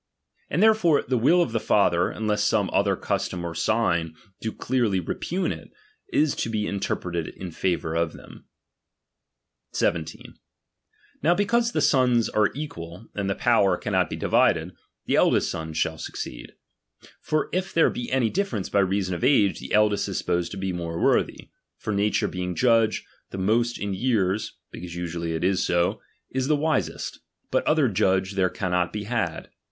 And therefore the will of the father, un less some other custom or sign do clearly repugn it, is to be interpreted in favour of them. VndQftha 17, Now bccause the sons are equal, and the rMtmth^iiion power cannot be divided, the eldest shall succeed. jioyouiiEor: p^j. j^ (^jjgpg j,g j^jjy difference by reason of age, the eldest is supposed more worthy ; for nature being judge, the most in years {because usually it is so) is the wisest ; but other judge there cannot be had.